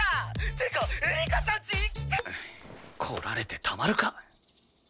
「ってかエリカちゃん家行きて」来られてたまるか。